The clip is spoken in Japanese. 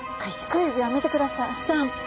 クイズやめてください。